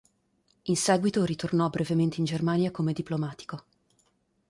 In seguito ritornò brevemente in Germania come diplomatico.